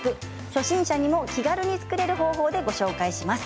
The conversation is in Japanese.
初心者にも気軽に作れる方法でご紹介します。